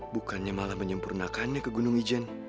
bukannya malah menyempurnakannya ke gunung ijen